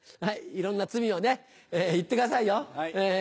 いろんな罪をね言ってくださいよ。